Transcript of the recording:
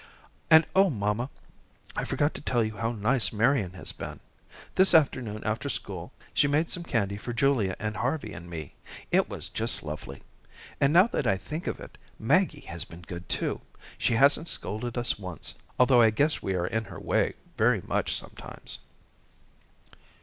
"And oh, mamma, I forgot to tell you how nice Marian has been. This afternoon after school, she made some candy for Julia and Harvey and me. It was just lovely. And now that I think of it, Maggie has been good too. She hasn't scolded us once, although I guess we are in her way very much sometimes."